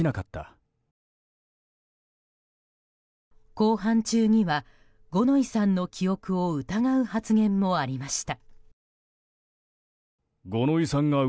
公判中には五ノ井さんの記憶を疑う発言もありました。